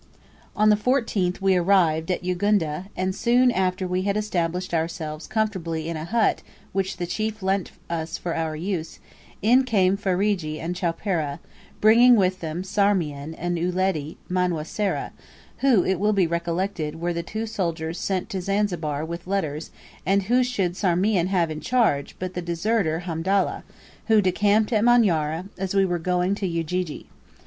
On the 14th we arrived at Ugunda, and soon after we had established ourselves comfortably in a hut which the chief lent us for our use, in came Ferajji and Chowpereh, bringing with them Sarmean and Uledi Manwa Sera, who, it will be recollected, were the two soldiers sent to Zanzibar with letters and who should Sarmean have in charge but the deserter Hamdallah, who decamped at Manyara, as we were going to Ujiji.